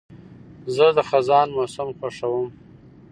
زه د خزان موسم خوښوم.